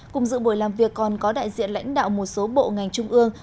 cùng dự buổi làm việc còn có đại diện lãnh đạo một số bộ ngành trung ương